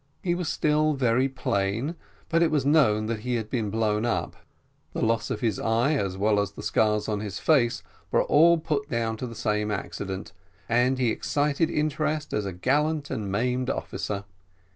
He was still very plain, but as it was known that he had been blown up, the loss of his eye as well as the scars on his face were all put down to the same accident, and he excited interest as a gallant and maimed officer.